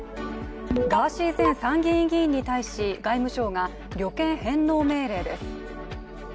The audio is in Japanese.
ガーシー前参議院議員に対し、外務省が旅券返納命令です。